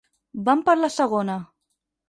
Van per la segona.